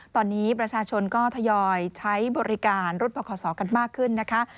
ตอนนี้ประชาชนก็ทยอยใช้บริการรถบขศกันมากขึ้นนะคะ